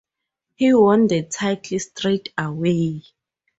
He won the title straight away.